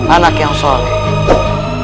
anak yang soleh